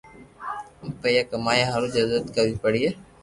پييا ڪمايا ھارو جدوجد ڪروي پڙي